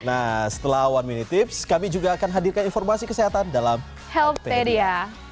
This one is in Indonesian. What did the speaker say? nah setelah one minute tips kami juga akan hadirkan informasi kesehatan dalam healthpedia